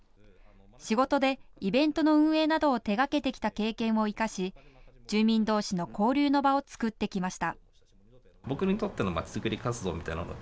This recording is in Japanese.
仕事でイベントの運営などを手がけてきた経験を生かし住民どうしの交流の場を作ってきました。